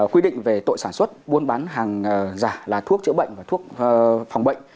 quy định về tội sản xuất buôn bán hàng giả là thuốc chữa bệnh và thuốc phòng bệnh